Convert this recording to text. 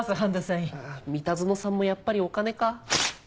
三田園さんもやっぱりお金か。